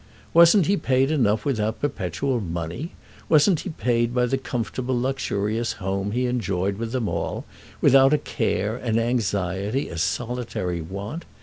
Wasn't he paid enough without perpetual money—wasn't he paid by the comfortable luxurious home he enjoyed with them all, without a care, an anxiety, a solitary want?